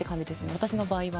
私の場合は。